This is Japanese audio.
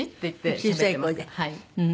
小さい声で。